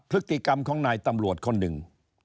พฤติกรรมของนายตำรวจคนหนึ่ง